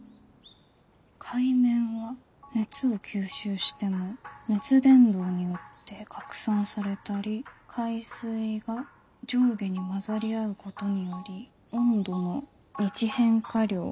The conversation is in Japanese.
「海面は熱を吸収しても熱伝導によって拡散されたり海水が上下に混ざり合うことにより温度の日変化量は２℃以下」。